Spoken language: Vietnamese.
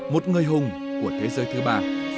một người hùng của thế giới thứ ba